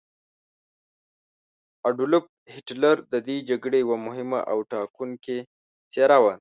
اډولف هیټلر د دې جګړې یوه مهمه او ټاکونکې څیره وه.